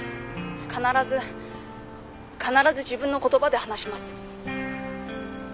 必ず必ず自分の言葉で話します」。